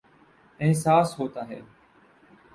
احساس ہوتاہے